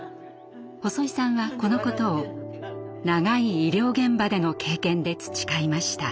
細井さんはこのことを長い医療現場での経験で培いました。